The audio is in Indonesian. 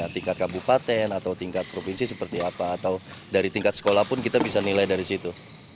tingkat kabupaten atau tingkat provinsi seperti apa atau dari tingkat sekolah pun kita bisa nilai dari situ